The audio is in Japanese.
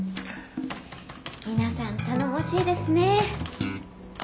皆さん頼もしいですね。